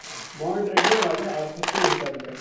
Mordred ने राजा Arthur को धोका दिया।